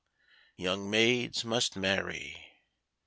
Young maids must marry.